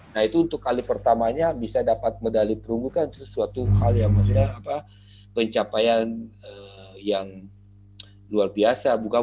nah itu untuk kali pertamanya bisa dapat medali perunggu kan sesuatu hal yang pencapaian yang luar biasa